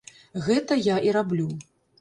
Гэта я і раблю.